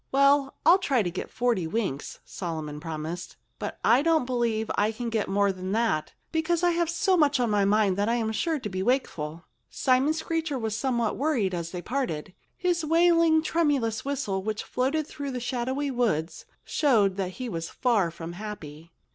"Well—I'll try to get forty winks," Solomon promised. "But I don't believe I can get more than that, because I have so much on my mind that I'm sure to be wakeful." Simon Screecher was somewhat worried as they parted. His wailing, tremulous whistle, which floated through the shadowy woods, showed that he was far from happy.